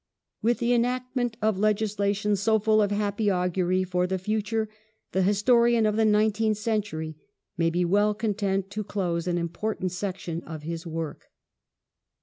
^ With the enactment of legislation so full of happy augury for the future the historian of the nineteenth century may be well content to close an important section of his work.